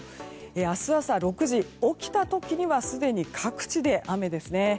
明日朝６時、起きた時にはすでに各地で雨ですね。